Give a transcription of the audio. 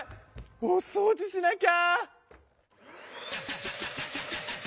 おそうじしなきゃ！